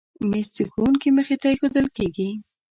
مېز د ښوونکي مخې ته ایښودل کېږي.